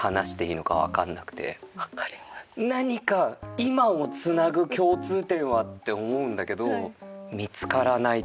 何か今をつなぐ共通点は？って思うんだけど。